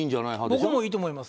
僕もいいと思います。